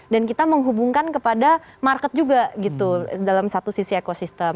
dan kita menghubungkan kepada market juga gitu dalam satu sisi ekosistem